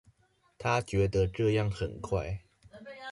她覺得這樣很快